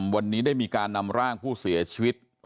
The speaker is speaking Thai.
วันนี้ได้มีการนำร่างผู้เสียชีวิต